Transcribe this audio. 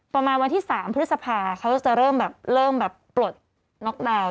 ประมาณวันที่๓พฤษภาเขาจะเริ่มแบบเริ่มแบบปลดน็อกดาวน์